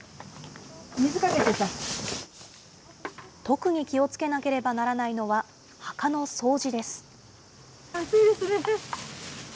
特に気をつけなければならないのは、墓の掃除です。